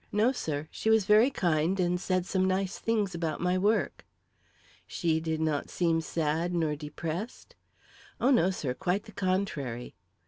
No, sir. She was very kind and said some nice things about my work." "She did not seem sad nor depressed?" "Oh, no, sir; quite the contrary."